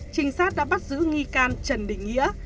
trinh sát đã bắt giữ nghi can trần đình nghĩa